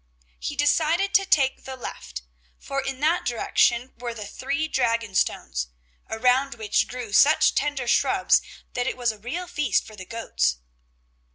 He decided to take the left, for in that direction were the three Dragon stones, around which grew such tender shrubs that it was a real feast for the goats.